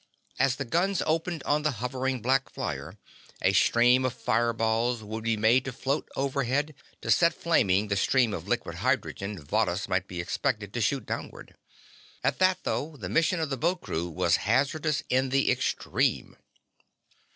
As the guns opened on the hovering black flyer a stream of fire balls would be made to float overhead to set flaming the stream of liquid hydrogen Varrhus might be expected to shoot downward. At that, though, the mission of the boat crew was hazardous in the extreme.